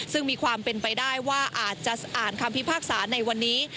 ซึ่งมีความเป็นไปได้ว่าอาจจะอ่านคำพิพากษาในวันนี้